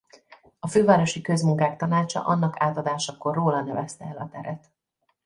A Fővárosi Közmunkák Tanácsa annak átadásakor róla nevezte el a teret.